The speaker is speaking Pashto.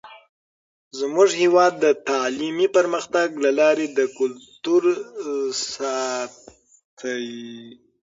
زموږ هیواد د تعلیمي پرمختګ له لارې د کلتور ساتئ.